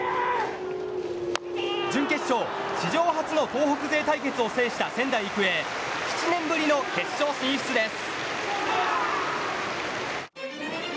準決勝、史上初の東北勢対決を制した仙台育英７年ぶりの決勝進出です。